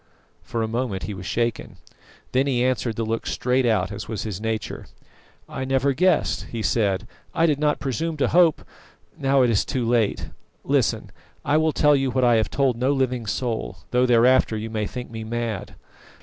For a moment he was shaken. Then he answered the look straight out, as was his nature. "I never guessed," he said. "I did not presume to hope now it is too late! Listen! I will tell you what I have told no living soul, though thereafter you may think me mad.